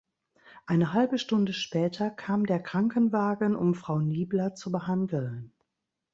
Eine halbe Stunde später kam der Krankenwagen, um Frau Niebler zu behandeln.